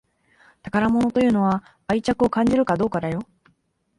宝物というのは愛着を感じるかどうかだよ